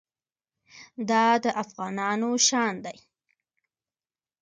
دا د افغانانو شان دی.